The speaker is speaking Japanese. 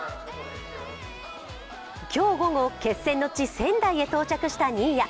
今日午後、決戦の地仙台に到着した新谷。